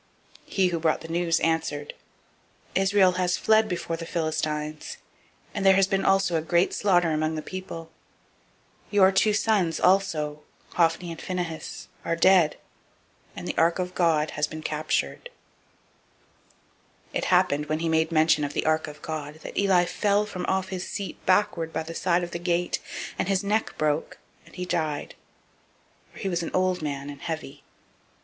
004:017 He who brought the news answered, Israel is fled before the Philistines, and there has been also a great slaughter among the people, and your two sons also, Hophni and Phinehas, are dead, and the ark of God is taken. 004:018 It happened, when he made mention of the ark of God, that [Eli] fell from off his seat backward by the side of the gate; and his neck broke, and he died: for he was an old man, and heavy.